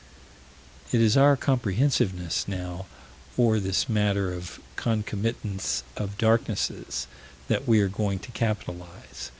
It is our comprehensiveness now, or this matter of concomitants of darknesses that we are going to capitalize.